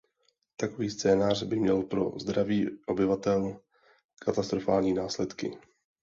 Takový scénář by měl pro zdraví obyvatel katastrofální následky.